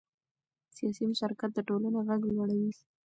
سیاسي مشارکت د ټولنې غږ لوړوي